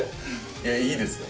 いやいいですよ。